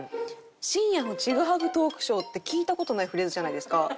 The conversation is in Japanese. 「深夜のチグハグトークショー」って聞いた事ないフレーズじゃないですか。